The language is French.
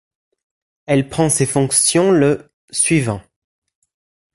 Elle prend ses fonctions le suivant.